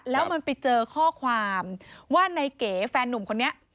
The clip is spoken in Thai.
แล้วมันไปเจอข้อความว่าในเก๋แฟนนุ่มคนนี้